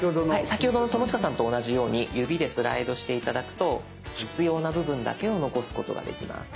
先ほどの友近さんと同じように指でスライドして頂くと必要な部分だけを残すことができます。